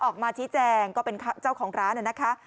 ออกมาชี้แจงก็เป็นเจ้าของร้านนะคะ